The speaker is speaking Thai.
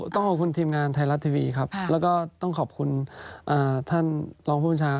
ต้องขอบคุณทีมงานไทยรัฐทีวีครับแล้วก็ต้องขอบคุณท่านรองผู้บัญชาการ